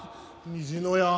虹の屋。